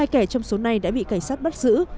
hai kẻ trong số này đã bị cảnh sát bắt giữ